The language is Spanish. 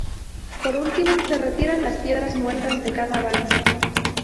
Por último, se retiran las piedras muertas de cada bando.